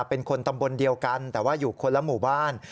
เป็นคนตำบลเดียวกันแต่ว่าอยู่คนละหมู่บ้าน